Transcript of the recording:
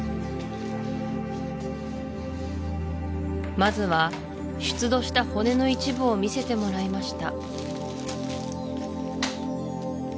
まずは出土した骨の一部を見せてもらいました